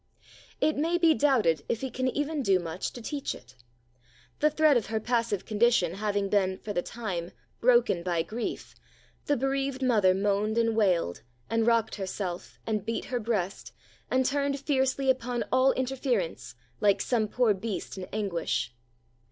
It may be doubted if it can even do much to teach it. The thread of her passive condition having been, for the time, broken by grief, the bereaved mother moaned and wailed, and rocked herself, and beat her breast, and turned fiercely upon all interference, like some poor beast in anguish.